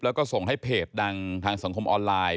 แล้วก็ส่งให้เพจดังทางสังคมออนไลน์